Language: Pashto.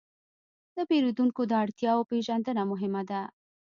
د پیرودونکو د اړتیاوو پېژندنه مهمه ده.